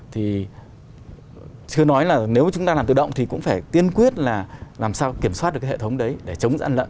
thì chưa nói là nếu chúng ta làm tự động thì cũng phải tiên quyết là làm sao kiểm soát được cái hệ thống đấy để chống gian lận